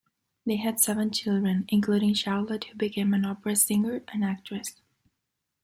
They had seven children, including Charlotte who became an opera singer and actress.